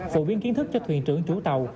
phổ biến kiến thức cho thuyền trưởng chủ tàu